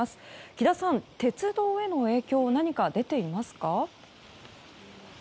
木田さん、鉄道への影響は何か出ていますか？